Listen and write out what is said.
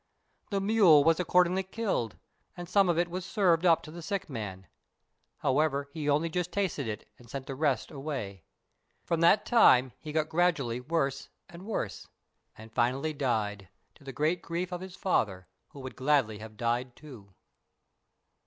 The mule was accordingly killed, and some of it was served up to the sick man; however, he only just tasted it and sent the rest away. From that time he got gradually worse and worse, and finally died, to the great grief of his father, who would gladly have died too.